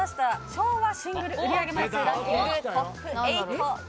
昭和シングル売り上げ枚数ランキングトップ８です。